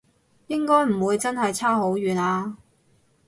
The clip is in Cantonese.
應該唔會真係差好遠啊？